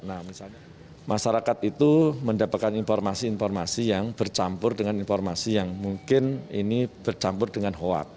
nah misalnya masyarakat itu mendapatkan informasi informasi yang bercampur dengan informasi yang mungkin ini bercampur dengan hoak